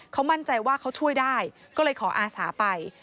เขามั่นใจว่าเขาช่วยได้ก็เลยขออาสาไป